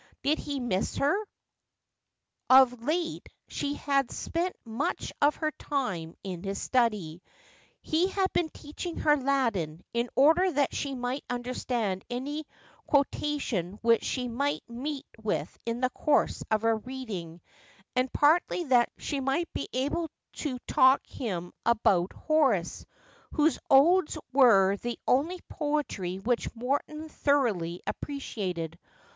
Lid he miss her ? Of late "she had spent much of her time in his study. He had been teaching her Latin, in order that she might understand any quotation which she and partly that 'I will never Live wider His Boof.' 331 she might be able to talk him about Horace, whose odes were the only poetry which Morton thoroughly appreciated.